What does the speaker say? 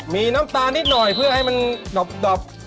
มีน้ำตาลนิดหน่อยเพื่อให้มันดอบ